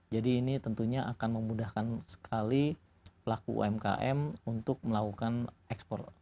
jadi ini tentunya akan memudahkan sekali pelaku umkm untuk melakukan ekspor